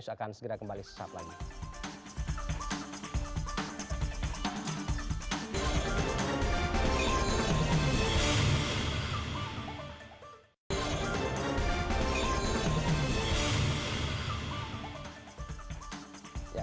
pansus akan segera kembali sesat lagi